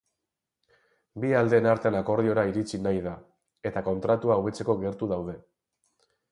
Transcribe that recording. Bi aldeen artean akordiora iritsi nahi da eta kontratua hobetzeko gertu daude.